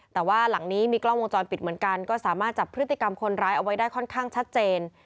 แต่ว่าหลังนี้มีกล้องวงจรปิดเหมือนกันก็สามารถจับพฤติกรรมคนร้ายเอาไว้ได้ค่อนข้างชัดเจน